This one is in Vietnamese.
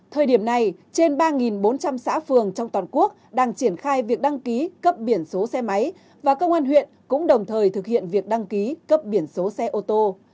thời điểm này trên ba bốn trăm linh xã phường trong toàn quốc đang triển khai việc đăng ký cấp biển số xe máy và công an huyện cũng đồng thời thực hiện việc đăng ký cấp biển số xe ô tô